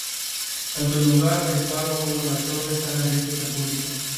Tanto el lugar del faro como la torre están abiertos al público.